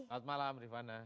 saat malam rifana